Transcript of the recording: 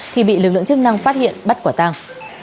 thì bị lực lượng chức năng phát hiện bắt quả tàng